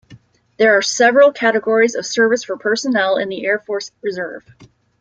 There are several categories of service for personnel in the Air Force Reserve.